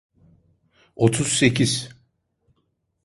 Otuz sekiz.